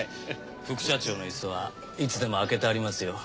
副社長のイスはいつでも空けてありますよ